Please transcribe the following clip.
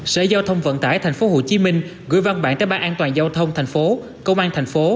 sở giao thông vận tải tp hcm gửi văn bản tới ban an toàn giao thông tp công an tp